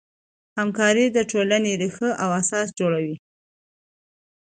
همکاري د ټولنې ریښه او اساس جوړوي.